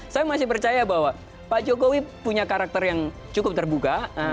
saya masih percaya bahwa pak jokowi punya karakter yang cukup terbuka